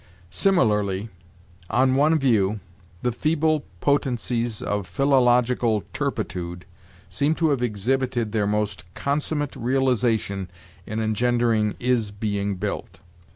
Similarly, on one view, the feeble potencies of philological turpitude seem to have exhibited their most consummate realization in engendering is being built.